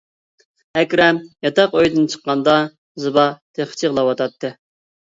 ئەكرەم ياتاق ئۆيدىن چىققاندا زىبا تېخىچە يىغلاۋاتاتتى.